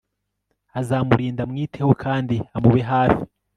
azamurinda amwiteho kandi amube hafi